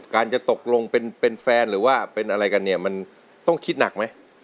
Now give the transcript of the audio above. การจะตกลงเป็นแฟนหรือว่าเป็นอะไรกันเนี่ยมันต้องคิดหนักไหม